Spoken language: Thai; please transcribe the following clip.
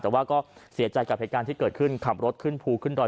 แต่ว่าก็เสียใจกับเหตุการณ์ที่เกิดขึ้นขับรถขึ้นภูขึ้นดอย